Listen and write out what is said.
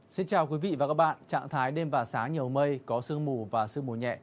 xin chào quý vị và các bạn trạng thái đêm và sáng nhiều mây có sương mù và sương mù nhẹ